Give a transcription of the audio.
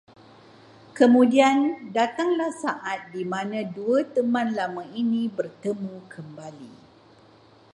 Kemudian datanglah saat dimana dua teman lama ini bertemu kembali